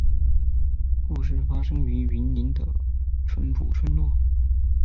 故事发生于云林的纯朴村落